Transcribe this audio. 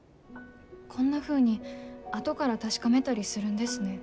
こんなふうに後から確かめたりするんですね。